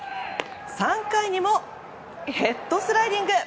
３回にもヘッドスライディング。